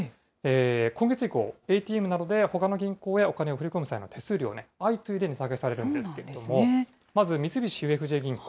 今月以降、ＡＴＭなどでほかの銀行へお金を振り込む際の手数料、相次いで値下げされるんですけれども、まず三菱ＵＦＪ銀行。